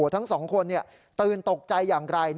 ทั้งสองคนตื่นตกใจอย่างไร